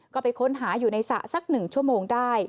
ก็ไปค้นหาอยู่ในสระสัก๑ชั่วโมงได้